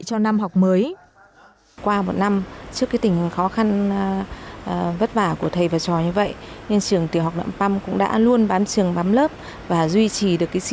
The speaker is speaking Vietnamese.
cho năm học mới